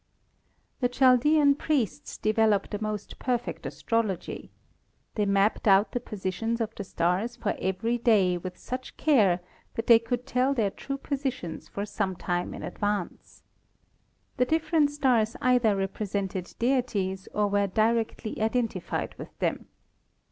The Chaldean priests developed a most perfect astrology. They mapped out the positions of the stars for every day with such care that they could tell their true positions for some time in advance. The different stars either repre sented deities or were directly identified with them.